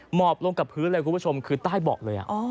หมอบลงกับพื้นเลยคุณผู้ชมคือใต้เบาะเลย